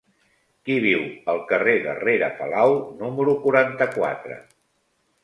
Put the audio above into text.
Qui viu al carrer de Rere Palau número quaranta-quatre?